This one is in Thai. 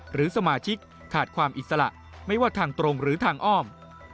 หรือสมาชิกขาดความอิสระไม่ว่าทางตรงหรือทางอ้อม